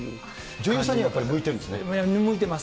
女優さんにはやっぱり向いて向いてます。